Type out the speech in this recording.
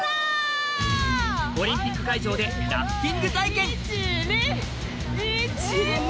オリンピック会場でラフティング体験イチニ！